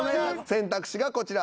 選択肢がこちら。